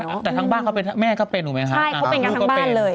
แต่ทั้งบ้านเขาเป็นแม่ก็เป็นถูกไหมฮะใช่เขาเป็นกันทั้งบ้านเลย